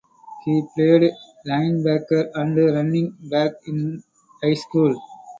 He played linebacker and running back in high school.